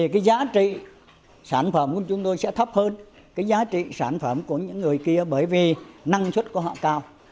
chúng tôi sẽ thấp hơn cái giá trị sản phẩm của những người kia bởi vì năng suất của họ cao